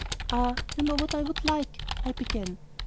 "Ah, you know what I would like,..." I began.